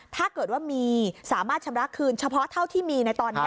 ถ้าเกิดว่ามีสามารถชำระคืนเฉพาะเท่าที่มีในตอนนี้